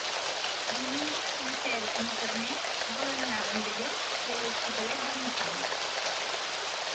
Diumenge na Cel i na Farners volen anar a Vandellòs i l'Hospitalet de l'Infant.